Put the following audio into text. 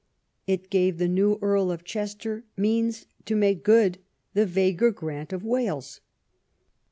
It gave the new Earl of Chester means to make good the vaguer grant of "Wales."